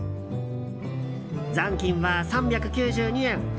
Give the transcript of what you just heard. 残金は３９２円。